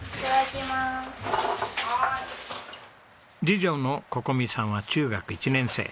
次女の心海さんは中学１年生。